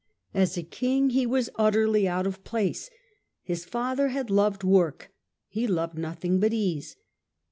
As a king he was utterly out of place. His father had loved work, he loved nothing but ease.